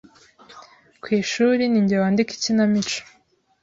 Ku ishuri ni nge wandikaga ikinamico